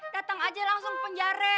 dateng aja langsung ke penjara